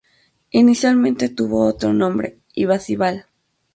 Inicialmente tuvo otro nombre "Ibaizábal".